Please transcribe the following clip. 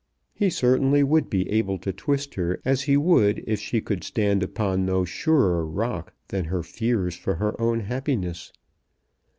He certainly would be able to twist her as he would if she could stand upon no surer rock than her fears for her own happiness.